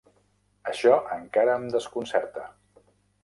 Això encara em desconcerta.